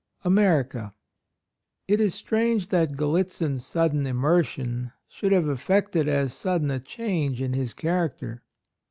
— America. It is strange that Gallitzin's sudden immersion should have effected as sudden a change in his character.